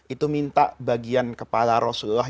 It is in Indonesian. itu minta bagian kepala rasulullah